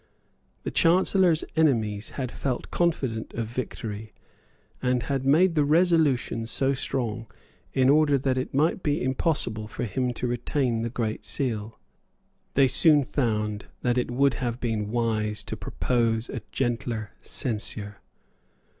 The Chancellor's enemies had felt confident of victory, and had made the resolution so strong in order that it might be impossible for him to retain the Great Seal. They soon found that it would have been wise to propose a gentler censure.